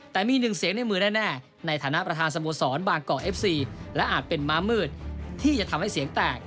แต่มีหนึ่งเสียงในมือแน่ในฐานะประธานสมสรรบางกอกเอฟซี